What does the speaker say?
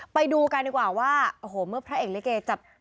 ไปดูกันดีกว่าว่าโอ้โหเมื่อพระเอกลิเกจับ